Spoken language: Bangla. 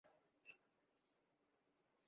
কোলাপ্পান এটা নিয়ে আসবে, ধৈর্য ধর।